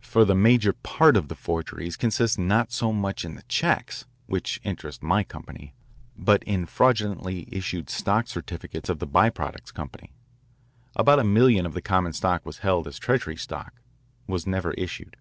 For the major part of the forgeries consists not so much in the checks, which interest my company, but in fraudulently issued stock certificates of the By Products Company. About a million of the common stock was held as treasury stock was never issued.